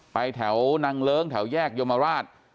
แถวนางเลิ้งแถวแยกยมราช